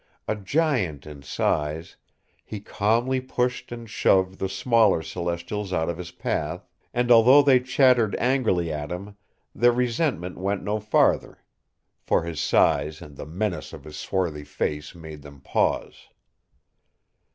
A giant in size, he calmly pushed and shoved the smaller Celestials out of his path, and, although they chattered angrily at him, their resentment went no farther, for his size and the menace of his swarthy face made them pause.